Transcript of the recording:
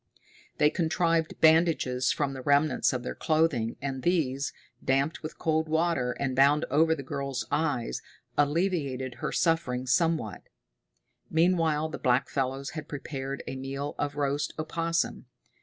They contrived bandages from the remnants of their clothing, and these, damped with cold water, and bound over the girl's eyes, alleviated her suffering somewhat. Meanwhile the blackfellows had prepared a meal of roast opossum.